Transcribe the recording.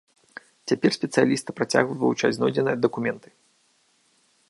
Цяпер спецыялісты працягваюць вывучаць знойдзеныя дакументы.